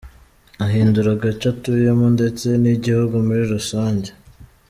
ahindure agace atuyemo ndetse nigihugu muri rusange.